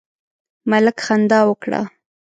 ملک خندا وکړه.